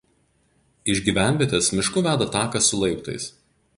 Iš gyvenvietės mišku veda takas su laiptais.